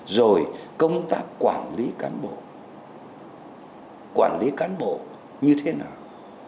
rồi công tác quản lý cán bộ quản lý cán bộ như thế nào